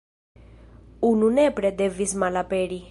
Unu nepre devis malaperi."".